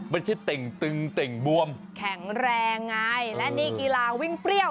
เต็งตึงเต่งบวมแข็งแรงไงและนี่กีฬาวิ่งเปรี้ยว